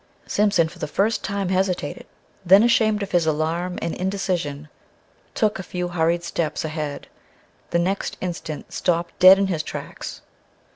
Simpson, for the first time, hesitated; then, ashamed of his alarm and indecision, took a few hurried steps ahead; the next instant stopped dead in his tracks.